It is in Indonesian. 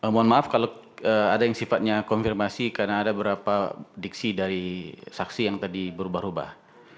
mohon maaf kalau ada yang sifatnya konfirmasi karena ada beberapa diksi dari saksi yang tadi berubah ubah